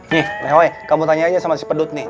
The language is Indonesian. nih lehoi kamu tanya aja sama si pedut nih